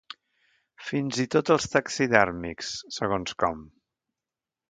Fins i tot els taxidèrmics, segons com.